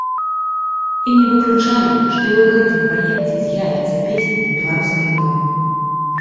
І не выключаю, што і ў гэтым праекце з'явяцца песні на беларускай мове.